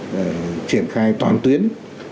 và triển khai toàn tuyến